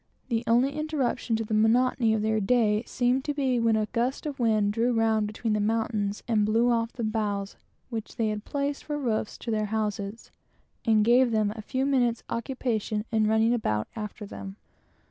The only interruption to the monotony of their day seemed to be when a gust of wind drew round between the mountains and blew off the boughs which they had placed for roofs to their houses, and gave them a few minutes' occupation in running about after them.